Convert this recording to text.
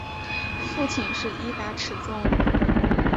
父亲是伊达持宗。